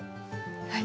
はい。